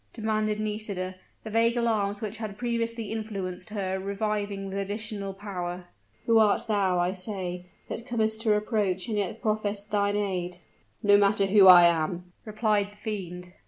demanded Nisida, the vague alarms which had previously influenced her reviving with additional power; "who art thou, I say, that comest to reproach, and yet profferest thine aid?" "No matter who I am," replied the fiend.